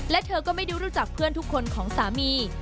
และเธอก็ไม่ได้รู้จักเพื่อนทุกคนของสามี